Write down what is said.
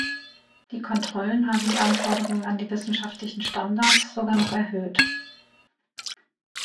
Die Kontrollen haben die Anforderungen an die wissenschaftlichen Standards sogar noch erhöht.